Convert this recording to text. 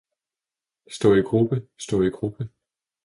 Stå i gruppe, stå i gruppe!